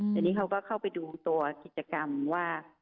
แต่นี่เขาก็เข้าไปดูตัวกิจกรรมว่า